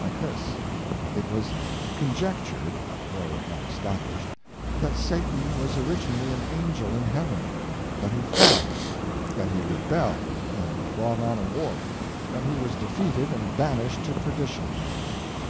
Like this: it was "conjectured"—though not established—that Satan was originally an angel in Heaven; that he fell; that he rebelled, and brought on a war; that he was defeated, and banished to perdition.